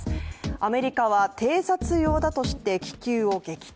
アメリカは偵察用だとして気球を撃墜。